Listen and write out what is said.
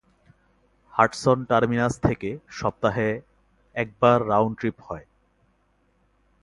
Hudson terminus থেকে সপ্তাহে একবার রাউন্ড ট্রিপ হয়।